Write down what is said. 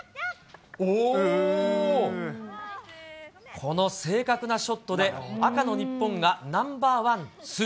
この正確なショットで、赤の日本がナンバー１、２。